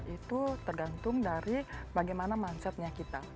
itu tergantung dari bagaimana mindsetnya kita